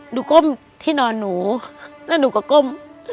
ก้มที่นอนหนูแล้วหนูก็ก้ม